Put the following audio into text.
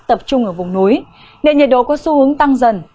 tập trung ở vùng núi nên nhiệt độ có xu hướng tăng dần